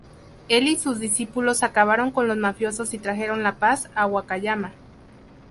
Él y sus discípulos acabaron con los mafiosos y trajeron la paz a Wakayama.